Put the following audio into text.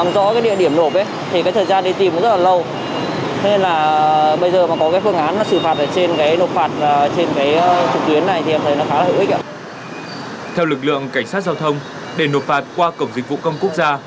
theo lực lượng cảnh sát giao thông để nộp phạt qua cổng dịch vụ công quốc gia